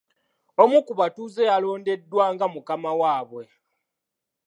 Omu ku batuuze yalondebwa nga mukama waabwe.